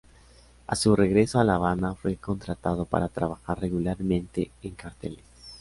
A su regreso a La Habana, fue contratado para trabajar regularmente en "Carteles".